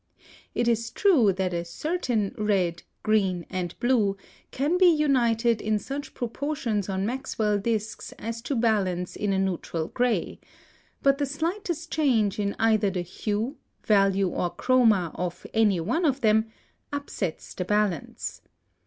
(147) It is true that a certain red, green, and blue can be united in such proportions on Maxwell discs as to balance in a neutral gray; but the slightest change in either the hue, value, or chroma, of any one of them, upsets the balance.